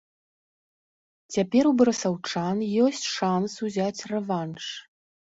Цяпер у барысаўчан ёсць шанс узяць рэванш.